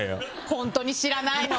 本当に知らないの。